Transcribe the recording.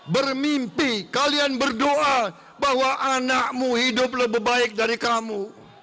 bermimpi kalian berdoa bahwa anakmu hidup lebih baik dari kamu